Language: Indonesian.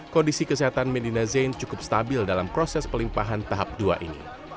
kondisi kesehatan medina zain cukup stabil dalam proses pelimpahan tahap dua ini